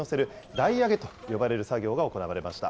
台上げと呼ばれる作業が行われました。